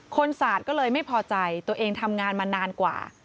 สาดก็เลยไม่พอใจตัวเองทำงานมานานกว่า